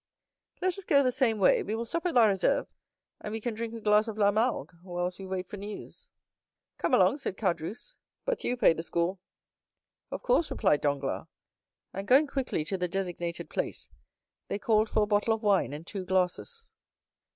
"Let us go the same way; we will stop at La Réserve, and we can drink a glass of La Malgue, whilst we wait for news." "Come along," said Caderousse; "but you pay the score." "Of course," replied Danglars; and going quickly to the designated place, they called for a bottle of wine, and two glasses.